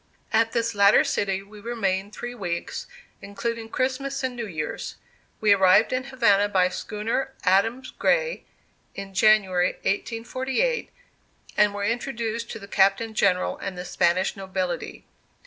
At this latter city we remained three weeks, including Christmas and New Year's. We arrived in Havana by the schooner Adams Gray, in January, 1848, and were introduced to the Captain General and the Spanish nobility.